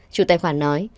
chủ tài khoản nói